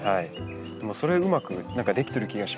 それうまくできてる気がします。